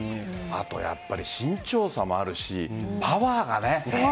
やっぱり身長差もあるしパワーがね。